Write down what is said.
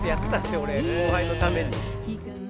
俺後輩のために。